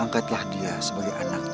angkatlah dia sebagai anak